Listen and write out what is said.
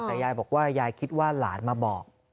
แต่ยายบอกว่ายายคิดว่าหลานมาบอก